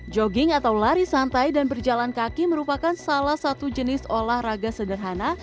jogging atau lari santai dan berjalan kaki merupakan salah satu jenis olahraga sederhana